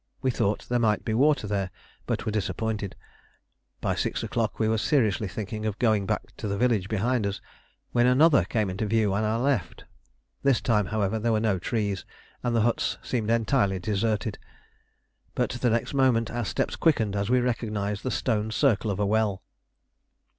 We thought there might be water here, but were disappointed. By six o'clock we were seriously thinking of going back to the village behind us, when another came into view on our left. This time, however, there were no trees, and the huts seemed entirely deserted; but next moment our steps quickened as we recognised the stone circle of a well.